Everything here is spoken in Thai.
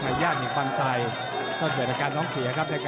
าย่างหิวขวัญาตการร้องเสียครับ